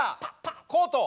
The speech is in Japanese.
コート！